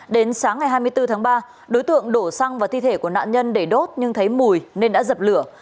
đến sáng ngày hai mươi bốn tháng ba đối tượng đổ xăng vào thi thể của nạn nhân để đốt nhưng thấy mùi nên đã dập lửa